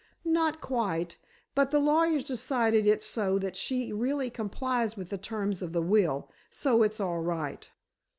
"Not quite, but the lawyers decided it so that she really complies with the terms of the will, so it's all right."